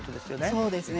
そうですね。